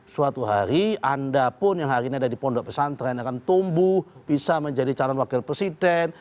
suatu hari anda pun yang hari ini ada di pondok pesantren akan tumbuh bisa menjadi calon wakil presiden